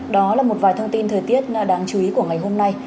đó là một vài thông tin thời tiết đáng chú ý của ngày hôm nay